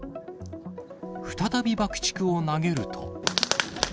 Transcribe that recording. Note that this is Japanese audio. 再び爆竹を投げると。